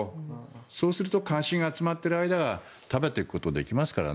そうすると関心が集まっている間は食べていくことができますからね。